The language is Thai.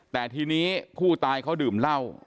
แต่ทีนี้ผู้ตายเขาดื่มเหล้า